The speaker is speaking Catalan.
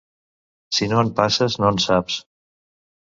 Si no en passes, no en saps.